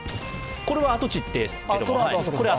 これは跡地ですけれども。